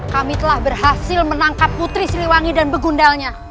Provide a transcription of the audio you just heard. kami telah berhasil menangkap putri siliwangi dan begundalnya